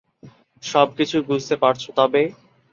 সব কিছুই বুঝতে পারছো তবে।